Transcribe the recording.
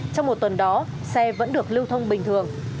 trong một tuần đó xe vẫn được lưu thông bình thường